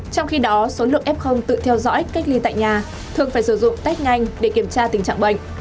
trong khi đó số lượng f tự theo dõi cách ly tại nhà thường phải sử dụng test nhanh để kiểm tra tình trạng bệnh